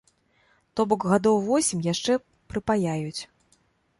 То бок гадоў восем яшчэ прыпаяюць.